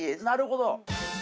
なるほど。